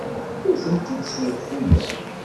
Ur tent-id-snulfuyeɣ.